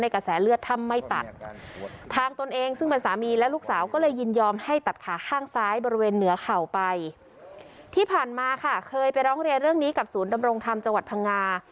ข้างซ้ายบริเวณเหนือเข่าไปที่ผ่านมาค่ะเคยไปร้องเรียนเรื่องนี้กับศูนย์ดำรงธรรมจังหวัดพังงา